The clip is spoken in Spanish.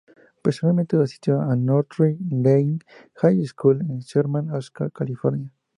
Posteriormente asistió a Notre Dame High School en Sherman Oaks, California.